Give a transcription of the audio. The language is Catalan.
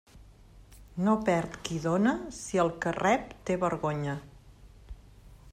No perd qui dóna si el que rep té vergonya.